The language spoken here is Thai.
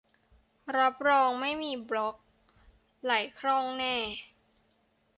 รับรองไม่มีบล็อค ไหลคล่องแน่